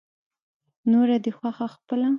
نوره دې خوښه خپله.